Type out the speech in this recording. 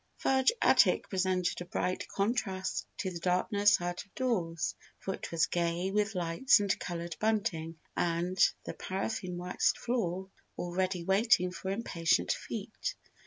Fudge Attic presented a bright contrast to the darkness out of doors, for it was gay with lights and coloured bunting and the paraffine waxed floor all ready waiting for impatient feet.